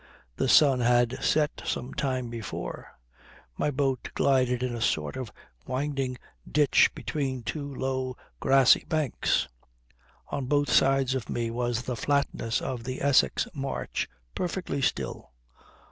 The sun had set some time before; my boat glided in a sort of winding ditch between two low grassy banks; on both sides of me was the flatness of the Essex marsh, perfectly still.